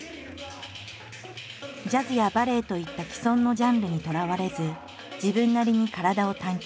ジャズやバレエといった既存のジャンルにとらわれず自分なりに体を探求。